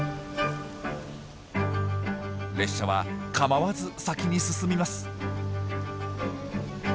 列車は構わず先に進みます。